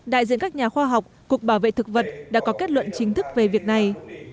đại diện các nhà khoa học cục bảo vệ thực vật đã có kết luận chính thức về việc này